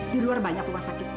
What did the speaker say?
di luar banyak rumah sakit